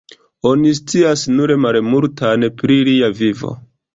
Oni scias nur malmultan pri lia vivo.